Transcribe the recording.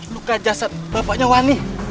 luka jasad bapaknya wani